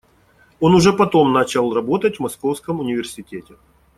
Он уже потом начал работать в Московском университете.